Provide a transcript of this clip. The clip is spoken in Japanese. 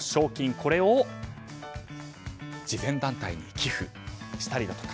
これを慈善団体に寄付したりだとか